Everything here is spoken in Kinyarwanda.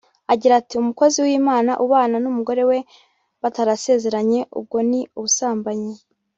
agira ati «Umukozi w’Imana ubana n’umugore we batarasezeranye ubwo ni ubusambanyi